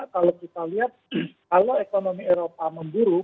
kalau kita lihat kalau ekonomi eropa memburuk